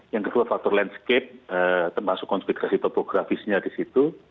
yang kedua faktor landscape termasuk konspirasi topografisnya di situ